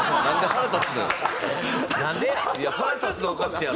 腹立つのおかしいやろ。